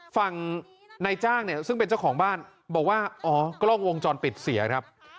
ฝั่งนายจ้างเนี่ยซึ่งเป็นเจ้าของบ้านบอกว่าอ๋อกล้องวงจรปิดเสียครับ